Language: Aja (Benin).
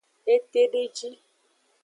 Etedeji.